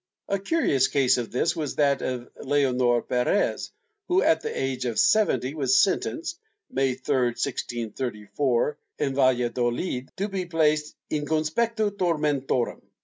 A curious case of this was that of Leqnor Perez who, at the age of seventy, was sentenced, May 3, 1634, in Valladolid, to be placed in conspectu tormentorum.